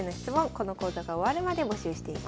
この講座が終わるまで募集しています。